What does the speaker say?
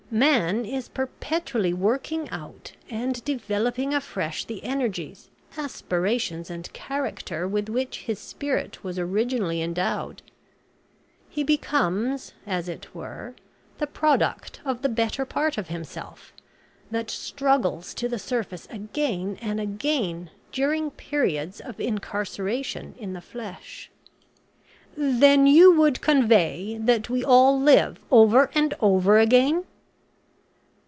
Man is perpetually working out and developing afresh the energies, aspirations, and character with which his spirit was originally endowed. He becomes, as it were, the product of the better part of himself, that struggles to the surface again and again during periods of incarceration in the flesh." "Then you would convey that we all live over and over again?"